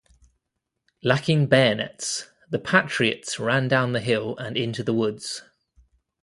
Lacking bayonets, the Patriots ran down the hill and into the woods.